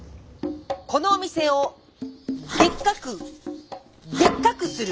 このお店をでっかくでっかくする！